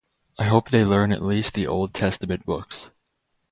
I hope they learn at least the old testament books.